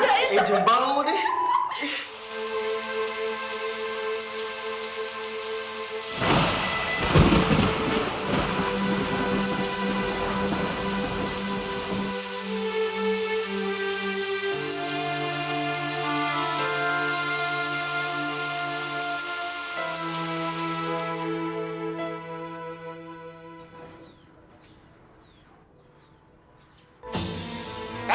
jangan jembal kamu deh